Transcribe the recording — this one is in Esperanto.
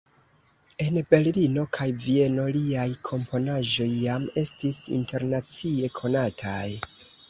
En Berlino kaj Vieno liaj komponaĵoj jam estis internacie konataj.